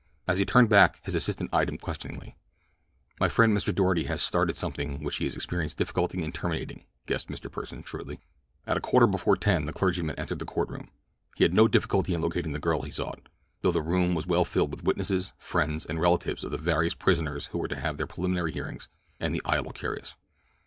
As he turned back his assistant eyed him questioningly. "My friend Mr. Doarty has started something which he is experiencing difficulty in terminating," guessed Mr. Pursen shrewdly. At a quarter before ten the clergyman entered the court room. He had no difficulty in locating the girl he sought, though the room was well filled with witnesses, friends, and relatives of the various prisoners who were to have their preliminary hearings, and the idle curious.